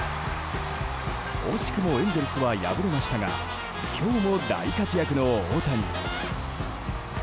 惜しくもエンゼルスは敗れましたが今日も大活躍の大谷。